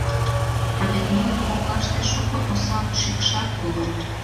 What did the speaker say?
А вет нунын коклаште шуко осал шӱкшак уло.